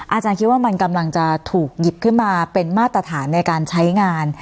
อาจารย์คิดว่ามันกำลังจะถูกหยิบขึ้นมาเป็นมาตรฐานในการใช้งาน